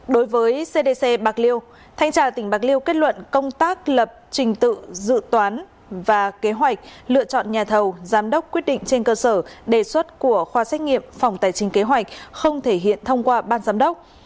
đối với cdc bạc liêu thanh tra tỉnh bạc liêu kết luận công tác lập trình tự dự toán và kế hoạch lựa chọn nhà thầu giám đốc quyết định trên cơ sở đề xuất của khoa xét nghiệm phòng tài chính kế hoạch không thể hiện thông qua ban giám đốc